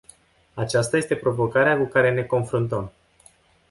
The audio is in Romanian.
Aceasta este provocarea cu care ne confruntăm.